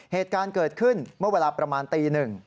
เหตุการณ์เกิดขึ้นเมื่อเวลาประมาณตี๑